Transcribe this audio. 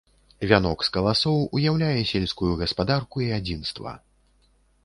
Вянок з каласоў уяўляе сельскую гаспадарку і адзінства.